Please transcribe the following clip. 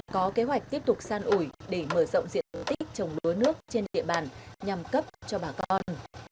có kế hoạch tiếp tục san ủi để mở rộng diện tích trồng lúa nước trên địa bàn nhằm cấp cho bà con